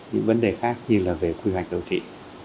những vấn đề khác như là về quy hoạch đô thị